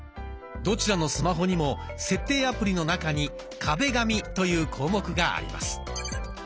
どちらのスマホにも設定アプリの中に「壁紙」という項目があります。